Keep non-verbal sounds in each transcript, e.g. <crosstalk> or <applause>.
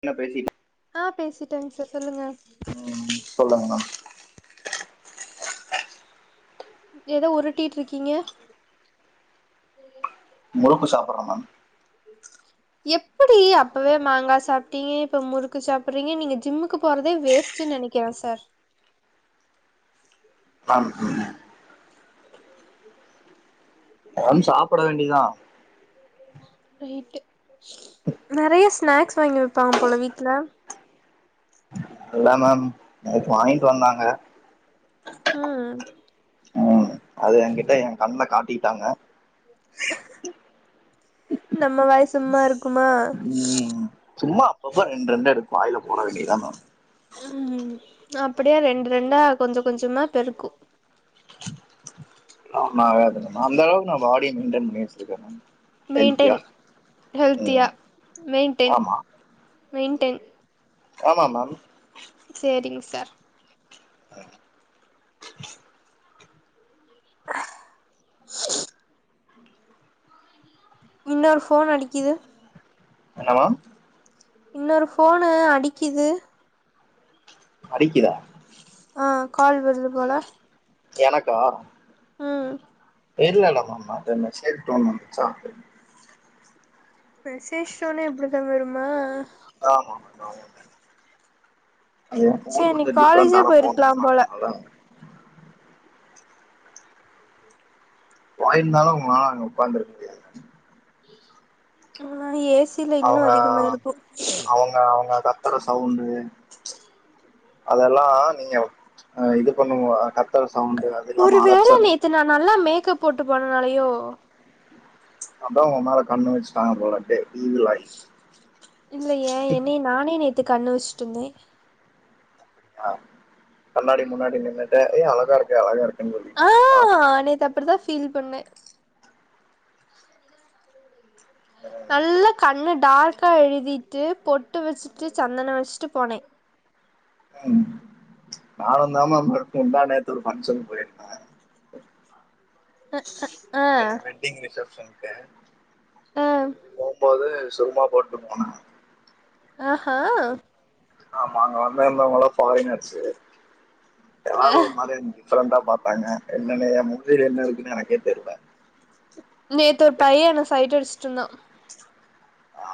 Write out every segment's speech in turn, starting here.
என்ன பேசி ட்டங்க சு சொல்லுங்கங்க உம் சொல்லுங்க மேம் ஏதோ உருட்டிட்ருக்கீங்க முழுக்கு சாப்புறே மேம் எப்படி அப்பவே மாங்காய் சாப்பிட்டீங்க இப்ப முறுக்கு சாப்பிடுறீங்க நீங்க ஜிம்முக்கு போறதே வேஸ்டுன்னு நினைக்கிறேன் சார். நான் <inaudible> வந் சாப்பிட வேண்டியதான் நெறைய ஸ்நாக்ஸ் வாங்கி வப்பாங்க போல வீட்டுல இல்ல மேம் நேத்து வாங்கிட்டு வந்தாங்க ம் உம் அது என்கிட்ட ஏ கண்ல காட்டிட்டாங்க <inaudible> நம்ம வாய் சும்மா இருக்குமா ம் சும்மா அப்பப்ப ரெண்டு ரெண்டு எடுத்து வாய்ல போ வேண்டியதான ம் அப்படியே ரெண்டு ரெண்டா கொஞ்சம் கொஞ்சமா பெருக்கும். ஆமா அந்த அளவு நான் பாடி மெயின்டென் பண்ணி வச்சிருக்கே மெயின்டைன் ஹெல்த்தியா ஹெல்த்தியா ம் மைண்டைன் ஆமா மென் ட்டுன் ஆமா மா சார் <unintelligible> இன்னொரு ஃபோன் அடிக்கிது ஹலோ இன்னொரு ஃபோனு அடிக்கிது அடிக்கிதா ஆஹ் கால் வர்து போல எனக்கா உம் எதுலா இல்லமா மாமா மேசேஜ் டோன் வந்துச்சா மெசேஜ் டோனே அப்டிதா வருமா ஆமா ஆமா ஏ சே ஃபோன் நீ கொஞ்சோ காலேஜே டிஃப்ரண்டான ஃபோன் போயிருக்கலா மேம் போல அதுனால வாயிர்ந்தாலு உங்ளா அங்க ஒக்காந்திருக்க முடியாது ஆஹ் எஸ் அவுங்க அவுங்க அவுங்க கர் கத்ற சௌவுண்டு அதெல்லா நீங்க ம் இது பண்ணுவா கத்தர ஒரு வேல நேத்து நா நல்லா மேக் கப் போட்டு போனனாலயோ ம் அத்தா உன் மேல கண்ணு வெச்சிட்டாங்க போல அப்டே இல்லயே என்னய நானே நேத் த்து கண்ணு வெச்சுட்டனே அ கண்ணாடி முன்னாடி நின்னுட்டு ஏ அழகா இருக்க அழகா இருக் ஆஹ் நேத்து அப்டிதா சொ ஃபீல் பண்ணே நல்லாக் கண்ணு டார்க்கா எழுதிட்டு பொட்டு வச்சுட்டு சந்தனோ வச்ட்டு போனே உம் நானுதாம மறுக்க முந்தா நேத்து ஒரு ஃபங்ஷன் போய்ர்ந்தே அஹ் ஹ வெட்டிங் ரிசப்ஷன் க ஆ போம்போது சும்மா போட்டு போன அஹ் ஹ ஆமா அங்க வந்து இருந்தவுங்களா ஃபாரீனர்ச்சு யார் ஒரு மாதியா இன்சி ப்ரெண்டா பாத்தாங்க என்னனு ஏ முடில என்ன இருக்குன்னு எனக்கே தெர்ல நேத்து ஒரு பைய என்ன சைட் அடிச் சொன்ன ஆ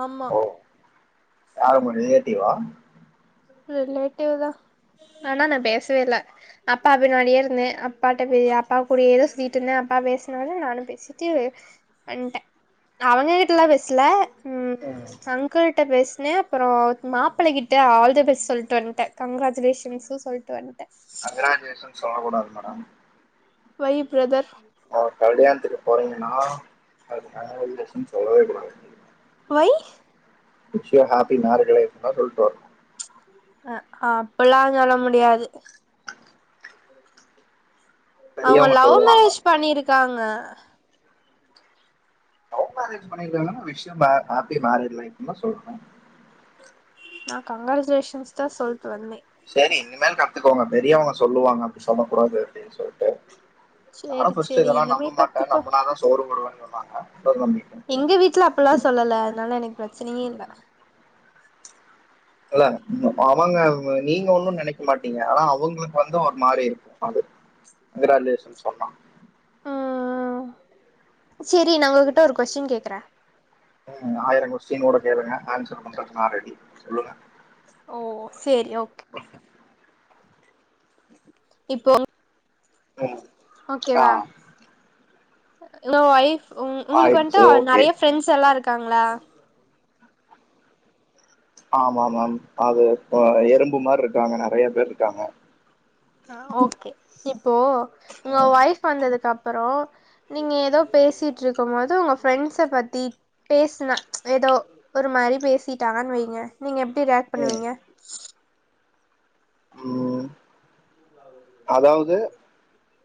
ஆமா யார் உங்க ரிலேட்டிவா ரிலேட்டிவ்தா ஆனா நா பேசவே இல்ல அப்பா பின்னாடியே இருந்தே அப்பாட்ட அப்பா கூடயேதா சுத்திட்டு இருந்த அப்பா பேசுனாரு நானு பேசிட்டு வன்ட்ட அவங்க கிட்டலா பேசல ம் அங்கிள்ட்ட பேசி ன அப்புற மாப்பிள கிட்ட ஆல் த பெஸ்ட் சொல்ட்டு வன்ட்ட கங்க்ராஜுலேஷன்ஸு சொல்ட்டு வன்ட்ட கங்கிராஜுலேஷன்ஸ் சொல்ல கூடாது மேடம் ஒய் பிரதர் ஓ கலியாணதுக்கு போறிங்னா அதுக்கு கங்க்ராஜுலேஷன் சொல்லவே கூடாது why wish you happy married லைஃப்ன்தா சொல்ட்டு வர்ணு அ அப்பில்லா சொல்ல முடியாது அவங்க பெரியவங்க லவ் சொல்லுவாங்க மேரேஜ் பண்ணிருக்காங் க லவ் மேரேஜ் பண்ணிருக்காங்கனா wish you may happy married லைஃப்ன்தா சொல்னு நா கங்கிராஜுலேஷன்ஸ்தா சொல்ட்டு வந்தே செரி இனிமேல் கத்துக்கோங்க பெரியவங்க சொல்லுவாங்க அப்டி சொல்ல கூடாது அப்டின் சொல்ட்டு நானு சேரி ஃபர்ஸ்ட் சேரி இதெல்லா நம்ப இனிமே மாட்டே கத்துப்போ நம்புனாதா சோறு போடுவேன்னா வாங்க எங்க வீட்ல அப்பில்லா சொல்லல அதனால எனக்கு பிரச்சனையே இல்ல இல்ல அவங்க அவங்க நீங்க ஒன்னு நெனைக்க மாட்டீங்க ஆனா அவுங்களுக்கு வந்து ஒரு மாரி இருக்கு அது கங்கிரஜுலேஷன் சொன்னா ம் செரி நா உங்ககிட்ட ஒரு கொஸ்டின் கேக்கற ம் ஆயர கொஸ்டின் கூட கேளுங்க ஆன்சர் பண்றக்கு நா ரெடி சொல்லுங்க ஓ செரி ஓகே இப்போ ம், ஓகே ஆ வா அனா வைஃப் உங் உங்ளுக்கு ஆயிடுச்சு வன்ட்டு ஓகே நெறையா ஃபிரெண்ட்ஸ் எல்லா இருக் காங்ளா ஆமா மேம் அது அ எறும்பு மார் இருக்காங்க நெறைய பேர் இருக்காங்க ஆ ஓகே இப்போ உங்க ம், ஒய்ஃப் வந்ததுக்கப் அப்பறோ நீங்க எதோ பேசிட்ருக்கும் மோது உங்க ஃப்ரெண்ட்ச பத்தி பேஸ்னா எதோ ஒரு மாரி பேசிட்டாங்கன் வைங்க நீங்க எப் எப்டி ரியாக்ட் பண்ணுவிங்க ம்ம் <inaudible>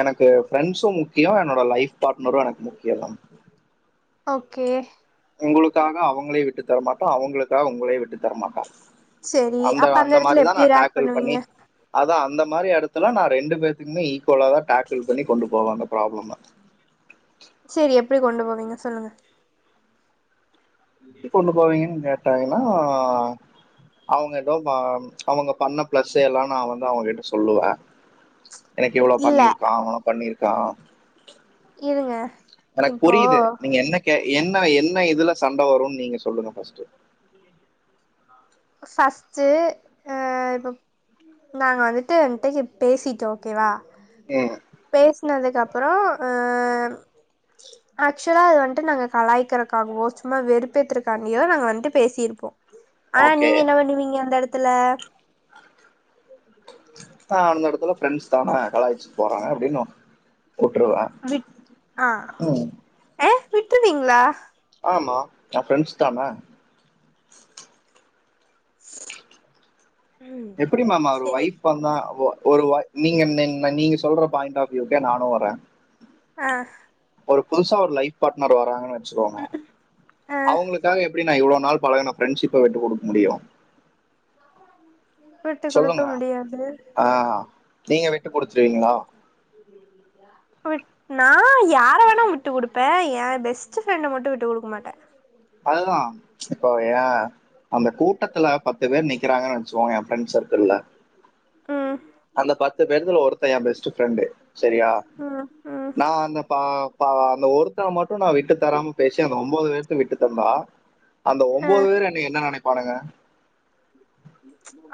எனக்கு ஃபிரரெண்ட்ஸும் முக்கிய என்னோட லைப் பார்ட்னரும் எனக்கு முக்கிய தான் ஓகே உங்களுக்காக அவங்களே விட்டு தரமாட்டோ அவங்களுக்காக உங்களே விட்டு தரமாட்டோ செரி அப்ப அந்த இடத்துல எப்படி ரியாக்ட் பண்ணுவீங்க இந்த மாரி இடத்துலா நா ரெண்டு பேத்துக்குமே இஃகுவ குவலாதா டேக்குள் பண்ணி கொண்டு போவாங்க ப்ராப்ளதா செரி எப்படி கொண்டு போவீங்க சொல்லுங்க எப்படி கொண்டு போவீங்கனு கேட் டாங்கன்னா அவங்க ஏதோ ச்சு அவங்க பண்ண பிளஸ் எல்லா நான் வந்து அவங்ககிட்ட சொல்லுவேன் எனக்கு இவ்ளோ இல்ல பண்ணிருக்காங்க பண்ணிருக் ஆஹ் இருங்க எனக்கு இப்போ புரியுது நீங்க என்ன கேக் என்ன என்ன இதுல சண்டை வரும்னு நீங்க சொல்லுங்க ஃபஸ்ட்டு ஃபஸ்ட்டு அஹ் இப்ப நாங்க வந்துட்டு எண்டன்ஷீப் பேசிட்டோம் ஓகேவா ம் பேசினதுக்கு அப் அப்புறோ ஆக்சுவலா அது வந்துட்டு நாங்க கலாய்கிறதுக்காகோ சும்மா வெறுப்பேத்துரதுக்காண்டியோ நாங்க வந்துட்டு பேசியிருப்போம் ஆனா ஓகே நீங்க என்ன பண்ணுவீங்க அந்த இடத்து மத்துல ஆஹ் அந்த இடத்துல ஃப்ரென்ட்ஸ் தான கலாய்ச்சிப்போறாங்க அப்படின்னு விட்டுருவேன் வி்ய் ஆஹ் ம் ஏய் விட்ருவீங்களா ஆமா என் ஃப்ரெண்ட்ஸ் தான ம் எப்படிமாமா அவர் சேரி ஒய்ப் <unintelligible> வா ஒரு வாய் நீங்க நீங்க சொல்ற பாயிண்ட் ஆஃப் வியூகே நானு வரேன் ஆஹ் ஒரு புதுசா ஒரு லைஃ பார்ட்னர் வராங்க வச்சுக்கோங்க ஆ அவங்களுக்காக எப்படி இவ்வளவு நாள் பழகன ஃபிரெண்ட்ஷிப்ப விட்டுக் கொடுக்க முடியும் விட்டு குடுக்க சொல்லுங்க முடியாது ஆஹ் நீங்க விட்டு கொடுத்துருவீங்களா விட் நா யார வேணா விட்டுக் குடுப்ப. என் பெஸ்ட் ஃப்ரெண்ட மட்டு விட்டு குடுக்க மாட்ட. அதுதா இப்போ ஏ அந்த கூட்டத்துல பத்து பேர் நிக்கறாங்கனு வச்சுகோங்க. ஃப்ரெண்ஸ் சர்க்கிள்ல ம் அந்த பத் து பேர்த்ல ஒருத்த எ பெஸ்டு ஃப்ரெண்டு செரியா ம் ம் நா அந்த பா ப அந்த ஒரு ஃப்ரெண்ட்ஸ மட்டு நா விட்டு தராம பேச நா ஒன் ஒம்பது பேத்த விட்டு டம்னா அந்த அ ஒன்போது பேரு என்னைய் என்ன நெனைப்பானுக.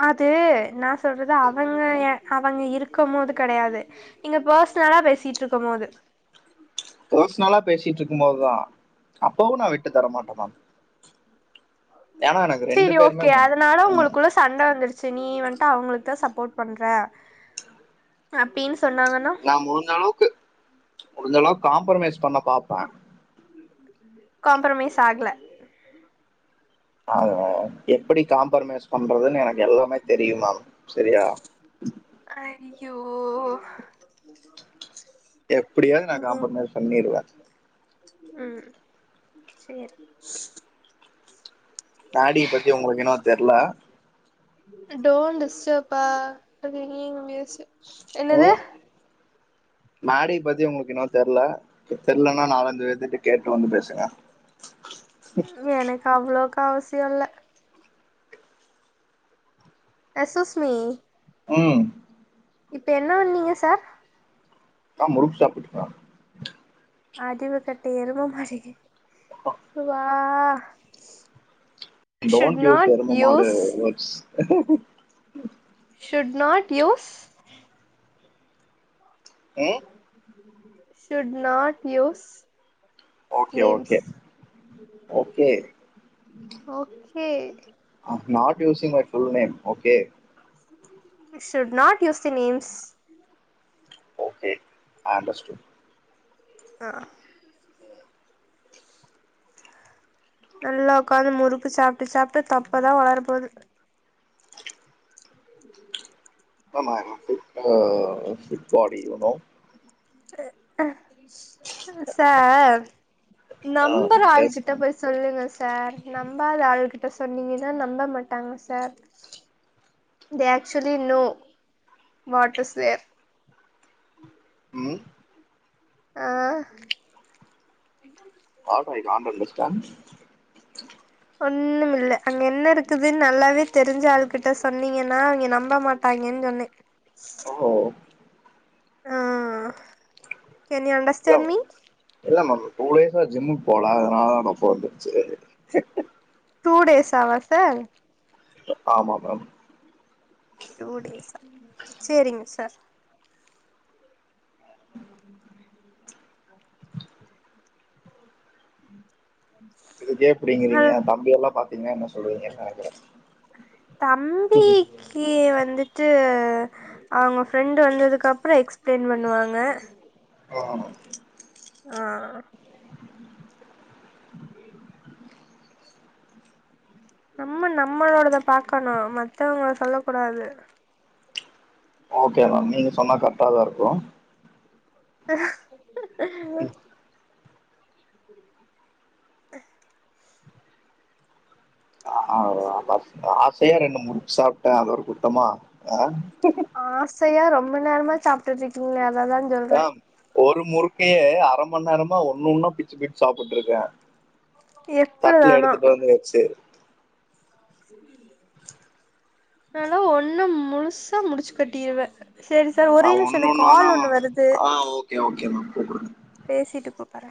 அதூ நா சொல்றது அவங்க ஏ அவங்க இருக் கமோது கெடயாது நீங்க பர்சனலா பேசிட்டு இருக்குமோது பர்சனலா பேசிட்டு இருக்குபோதா அப்பவு நா விட்டு தர மாட்ட மேம். ஏன்னா எனக்கு சேரி பேருமே ஓகே மு- அதனால ம். உங்களுக்குள்ள சண்ட வந்துருச்சு நீ வந் தா அவங்களுக்கு சப்போர்ட் பண்ற அப்பீன் நா முளுஞ்சளவுக்கு முடுஞ்சளவு காம்ப்ரமைஸ் பண்ண பாப்ப காம்ப்ரமைஸ் ஆகல அத எப்டி காம்பரமஸ் பண்றதுன்னு எனக்கு எல்லாமே தெரியு மேம். சரியா ஐயோ எப்டியாது நான் காம்ப்ரமைஸ் பண்ணீடுவ உம் சேரி நாடிய பத்தி உங்கள்க்கு இன்னு தெர்ல. டோன்டிஸ்டப்பா பெரிய இங்லீசு. என்னது நாடிய் பத்தி உங்களுக்கின்னு தெர்ல. தெர்லேனா நாலஞ்சு வேத்துட்ட கேட்டு வந்து பேசுங்க. எனக்கு அவ்ளோக் அவ்சியோல எஸ்சூச்மி உம் இப்ப என்ன வண்ணீங்க சார்? நா முறுக்கு சாப்பிட்டுக்கா அறிவு கட்ட எறம மாடே சுவ ஆஹ் டோன்ட் யூஸ் எறம மாடு வேர்ட்ஸ் ஹ hmm hmm should not use ம் <unintelligible> shoot not use okay names okay okay okay hmm not using my full name okay should not use the names okay I understood. ஆஹ நல்லா உக்காந்து முறுக்கு சாப்பிட்டு சாப்பிட்டு தொப்பதான் வளர போகுது. <unintelligible> ஆமா <unintelligible> ஃபிட்பாடி யூனோ. அஹ் ஹா சார் நம்புற எஸ் ஆளுகிட்ட மேம் போய் சொல்லுங்க சார் நம்பாத ஆளுகிட் சொன்னீங்கன்னா நம்ப மாட்டாங்க sir they actually no what ச um ah alright android based thanks ஒண்ணும் இல்லை அங்க என்ன இருக்குதுன்னு நல்லாவே தெரிஞ்ச ஆள்கிட்ட சொன்னீங்கன்னா அவங்க நம்ப மாட்டாங்கன்னு சொன்னே ஓ ஆஹ் கேன் யூ இல்ல அண்டர்ஸ்டான்ட் மீ. இல்ல மேம் டூ டேஸ் சா ஜிம்முக்கு போல அதனால தா தொப்ப வந்துருச்சு ஹ ஹ டூ டேஸ் ஆவா சார் ஆமாமேம் டூ டேஸ்சா செரிங்க சார் <inaudible> <inaudible> இதுக்கே பிடிங்கிறீங்க நல் தம்பி எல்லாம் பாத்தீங்கன்னா என்ன சொல்லுவீங்கன்னு நினைக்கிற தம்பிக்கு வந் ந்துட்டு ஏஹ் அவங்க ஃப்ரெண்டு் வந்ததுக்கு அப்ரோ எக்ஸ்பிளைன் பண்ணுவாங்க அஹ ஆஹ் <inaudible> நம்ம நம்மளோடத பாக்கணு மத்தவங்கள சொல்ல கூடாது ஓகே மேம் நீங்க சொன்னா கரெக்டாதா இருக்கு <inaudible> <inaudible> <unintelligible> இப்பதா ரெண்டு முருக்கு சாப்ட <unintelligible> தமா ஆசையா ரொம் ம்ப நேரமா சாப்பிட்டு இருக்கீங்க அதா சொல்ற மேம் ஒரு முறுக்கையே அரை மணி நேரமா ஒன்னு ஒன்னா பிச்சு பிச்சு சாப்பிட்டு இருக்க தட்டுல எப்படிதானா எடுத்துட்டு வந்து வச்சு நாலா ஒண்ணு முழுசா முடிச்சு கட்டிருவ சரி சார் நா ஒரே நிமிஷோ ஒண்ணு எனக்கு ஒன்னா தா கால் ஒண்ணு மேம் வருது ஆ ஓகே <inaudible> பேசிட்டு கூப்பற்ற